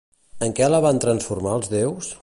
En què la van transformar els déus?